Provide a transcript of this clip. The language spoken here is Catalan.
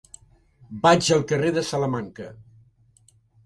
Vaig al carrer de Salamanca.